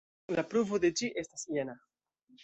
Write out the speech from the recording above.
La pruvo de ĝi estas jena.